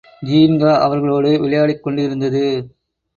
ஜின்கா அவர்களோடு விளையாடிக் கொண்டிருந்தது.